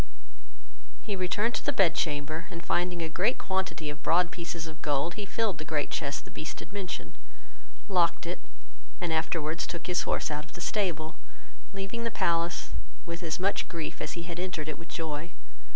He returned to the bed chamber, and finding a great quantity of broad pieces of gold, he filled the great chest the Beast had mentioned, locked it, and afterwards took his horse out of the stable, leaving the palace with as much grief as he had entered it with joy.